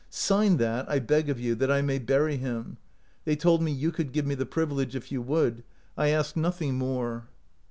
" Sign that, I beg of you, that I may bury him. They told me you could give me the privilege if you would. I ask nothing more."